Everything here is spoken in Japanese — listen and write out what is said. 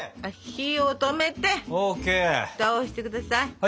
火を止めてふたをしてください。